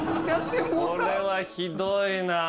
これはひどいなぁ。